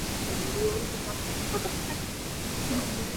Wanyama waliokufa wanapotupwa hovyo huchangia maambukizi ya kimeta